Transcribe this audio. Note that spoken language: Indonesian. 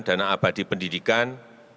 dana abadi pendidikan